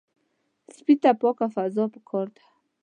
سپي ته پاکه فضا پکار ده.